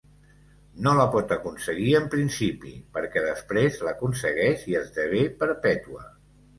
No la pot aconseguir en principi, perquè després l'aconsegueix i esdevé perpètua.